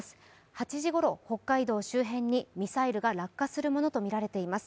８時ごろ北海道周辺にミサイルが落下するものとみられています。